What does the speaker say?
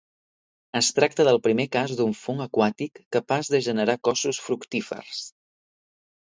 Es tracta del primer cas d'un fong aquàtic capaç de generar cossos fructífers.